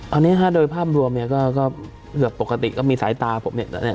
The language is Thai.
ตอนนี้ค่ะโดยภาพรวมก็เหลือปกติก็มีสายตาผมเนี่ย